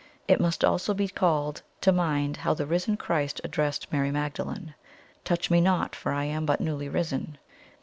It must also be called to mind how the risen Christ addressed Mary Magdalene: 'TOUCH ME NOT, for I am but newly risen!'